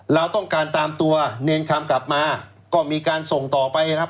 เราต้องการตามตัวเนรคำกลับมาก็มีการส่งต่อไปนะครับ